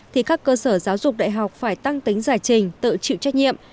thì các cơ sở giáo dục đại học phải tăng tính giải trình tự chịu trách nhiệm